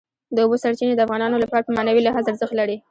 د اوبو سرچینې د افغانانو لپاره په معنوي لحاظ ارزښت لري.